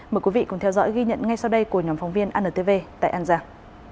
mời quý vị cùng theo dõi ghi nhận ngay sau đây của nhóm phóng viên antv tại an giang